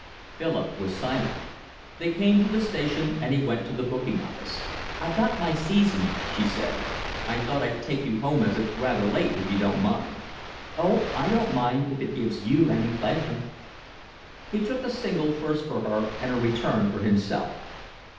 Philip was silent. They came to the station, and he went to the booking office. "I've got my season," she said. "I thought I'd take you home as it's rather late, if you don't mind." "Oh, I don't mind if it gives you any pleasure." He took a single first for her and a return for himself.